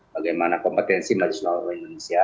bagaimana kompetensi majus nama indonesia